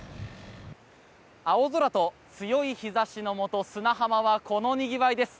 青空と強い日差しのもと砂浜はこのにぎわいです。